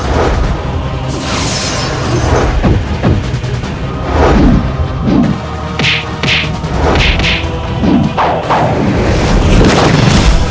kau harus membayar nyawa ayahku